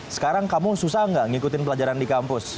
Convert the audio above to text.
sekarang kamu susah nggak ngikutin pelajaran di kampus